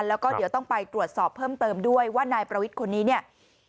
แล้วก็เดี๋ยวต้องไปตรวจสอบเพิ่มเติมด้วยว่านายประวิทย์คนนี้เนี่ย